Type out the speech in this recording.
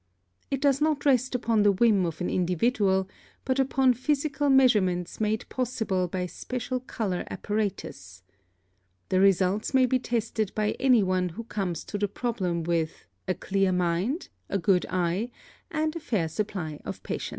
It does not rest upon the whim of an individual, but upon physical measurements made possible by special color apparatus. The results may be tested by any one who comes to the problem with "a clear mind, a good eye, and a fair supply of patience."